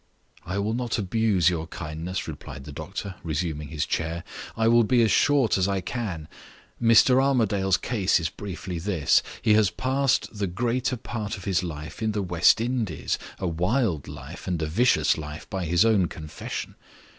"I will not abuse your kindness," replied the doctor, resuming his chair. "I will be as short as I can. Mr. Armadale's case is briefly this: He has passed the greater part of his life in the West Indies a wild life, and a vicious life, by his own confession.